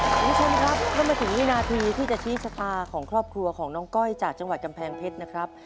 คุณผู้ชมครับถ้ามาถึงวินาทีที่จะชี้ชะตาของครอบครัวของน้องก้อยจากจังหวัดกำแพงเพชรนะครับ